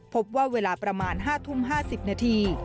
พบว่าเวลาประมาณ๕ทุ่ม๕๐นาที